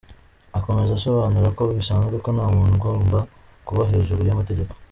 Akomeza asobanura ko “bisanzwe ko nta muntu ugomba kuba hejuru y’amategeko”.